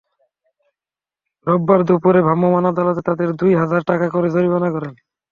রোববার দুপুরে ভ্রাম্যমাণ আদালত তাঁদের দুই হাজার টাকা করে জরিমানা করেন।